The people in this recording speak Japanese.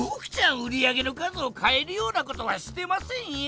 売り上げの数をかえるようなことはしてませんよ！